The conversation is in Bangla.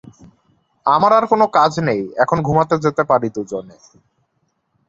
আমার আর কোন কাজ নেই, এখন ঘুমাতে যেতে পারি দুজনে।